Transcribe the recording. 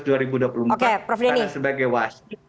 karena sebagai wasit